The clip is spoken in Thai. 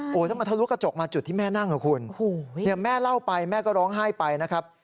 โอ้โหถ้ามันทะลุกระจกมาจุดที่แม่นั่งนะคุณแม่เล่าไปแม่ก็ร้องไห้ไปนะครับ